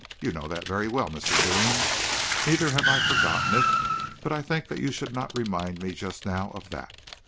"You know that very well, Mr. Deane. Neither have I forgotten it. But I think that you should not remind me just now of that."